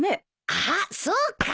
あっそうか！